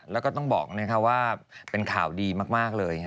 แล้วก็ต้องบอกว่าเป็นข่าวดีมากเลย